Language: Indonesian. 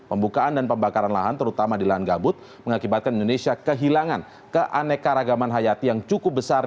pembukaan dan pembakaran lahan terutama di lahan gabut mengakibatkan indonesia kehilangan keanekaragaman hayati yang cukup besar